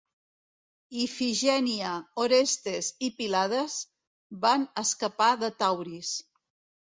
Ifigènia, Orestes y Pilades van escapar de Tauris.